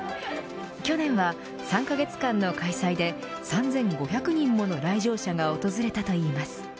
去年は３カ月間の開催で３５００人もの来場者が訪れたといいます。